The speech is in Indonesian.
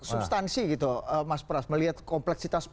substansi gitu mas pras melihat kompleksitas